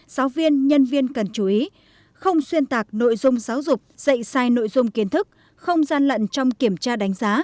giáo viên nhân viên cần chú ý không xuyên tạc nội dung giáo dục dạy sai nội dung kiến thức không gian lận trong kiểm tra đánh giá